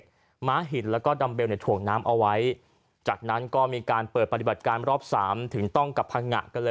ม้าหินแล้วก็ดัมเบลเนี่ยถ่วงน้ำเอาไว้จากนั้นก็มีการเปิดปฏิบัติการรอบสามถึงต้องกับพังงะกันเลย